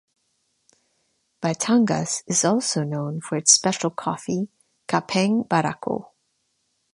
Batangas is also known for its special coffee, "kapeng barako".